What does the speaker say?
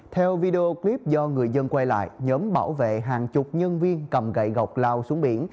theo video clip do người dân quay lại nhóm bảo vệ hàng chục nhân viên cầm gậy gọc lao xuống biển